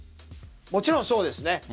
もちろんそうです。